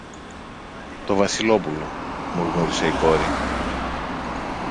Το Βασιλόπουλο! μουρμούρισε η κόρη.